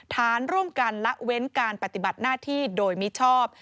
ฐานร่วมกันละเว้นการปฏิบัติหน้าที่โดยมิชอบ